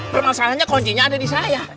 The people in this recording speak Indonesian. permasalahannya kuncinya ada di saya